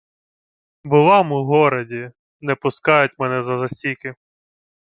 — Була-м у городі. Не пускають мене за засіки.